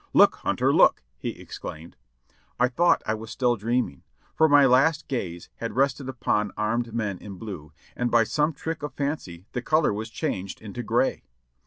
"Look, Hunter! Look!" he exclaimed. I thought I was still dreaming, for my last gaze had rested upon armed men in blue, and by some trick of fancy the color was changed into gray.